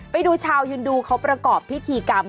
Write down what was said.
ไปดูชาวยืนดูเขาประกอบพิธีกรรม